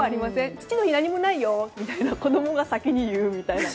父の日何もないよと子供が先に言うみたいな。